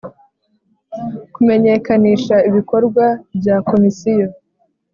Kumenyekanisha ibikorwa bya Komisiyo